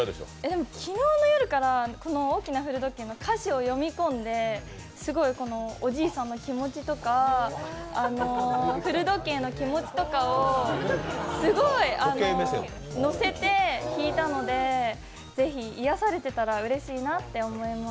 でも昨日の夜からこの「大きな古時計」の歌詞を読み込んですごい、おじいさんの気持ちとか古時計の気持ちとかをすごい乗せて弾いたのでぜひ癒やされてたらうれしいなと思います。